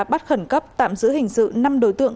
bắt khẩn cấp tạm giữ hình sự năm đối tượng